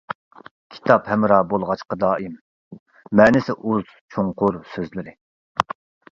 كىتاب ھەمراھ بولغاچقا دائىم، مەنىسى ئۇز چوڭقۇر سۆزلىرى.